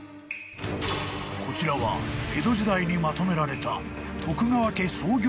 ［こちらは江戸時代にまとめられた］